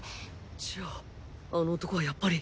じゃああの男はやっぱり。